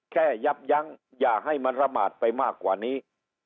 ยับยั้งอย่าให้มันระมาดไปมากกว่านี้